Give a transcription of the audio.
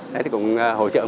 đấy thì cũng hỗ trợ mình